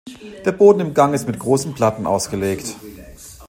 Der Boden im Gang ist mit großen Platten ausgelegt.